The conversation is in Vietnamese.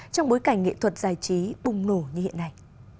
trong bối cảnh nghệ thuật giải trí bùng nổ như hiện nay